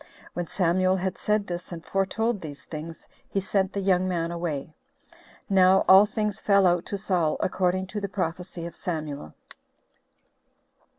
When Samuel had said this, and foretold these things, he sent the young man away. Now all things fell out to Saul according to the prophecy of Samuel.